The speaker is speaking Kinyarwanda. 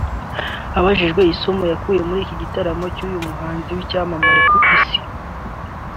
Abajijwe isomo yakuye muri iki gitaramo cy’uyu muhanzi w’icyamamare ku isi